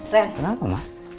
ren kenapa ma